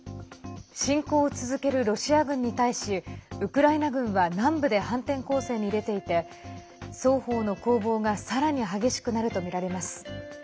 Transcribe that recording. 侵攻を続けるロシア軍に対しウクライナ軍は南部で反転攻勢に出ていて双方の攻防がさらに激しくなるとみられます。